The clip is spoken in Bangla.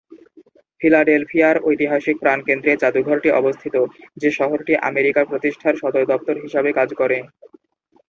ফিলাডেলফিয়ার ঐতিহাসিক প্রাণকেন্দ্রে জাদুঘরটি অবস্থিত, যে শহরটি আমেরিকা প্রতিষ্ঠার সদর দফতর হিসাবে কাজ করে।